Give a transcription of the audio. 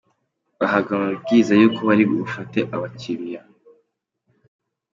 Bahabwa amabwiriza y’uko bari bufate abakiliya